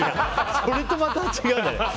それとはまた違うのよ。